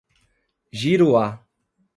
Giruá